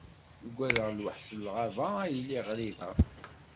Uggadeɣ lwaḥc n lɣaba a yelli ɣriba.